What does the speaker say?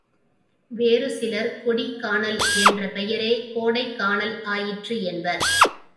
வேறு சிலர் கொடிக்கானல் என்ற பெயரே கோடைக்கானல் ஆயிற்று என்பர்.